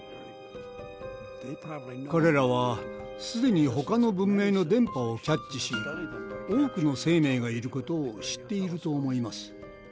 彼らはすでにほかの文明の電波をキャッチし多くの生命がいることを知っていると思います。